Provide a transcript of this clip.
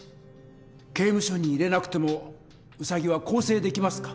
刑務所に入れなくてもウサギは更生できますか？